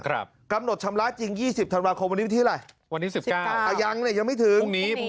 ครับกำหนดชำระจริง๒๐ธันวาคมวันนี้ที่ไหนวันนี้๑๙ยังไม่ถึง